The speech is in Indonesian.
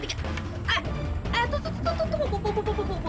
eh eh tunggu tunggu tunggu